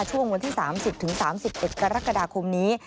ช่วงวันที่๓๐๓๑กรกฎาคมนี้